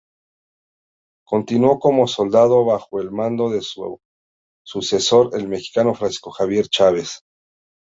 Continuó como soldado bajo el mando de su sucesor el mexicano Francisco Xavier Chávez.